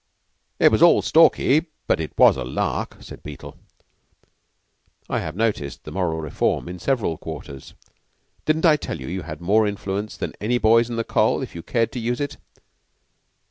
"It was all Stalky, but it was a lark," said Beetle. "I have noticed the moral reform in several quarters. Didn't I tell you you had more influence than any boys in the Coll. if you cared to use it?"